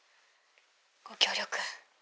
ご協力